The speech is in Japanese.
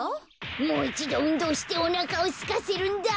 もういちどうんどうしておなかをすかせるんだ。